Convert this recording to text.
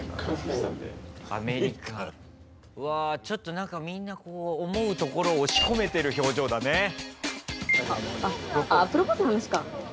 ちょっとなんかみんなこう思うところを押し込めてる表情だね。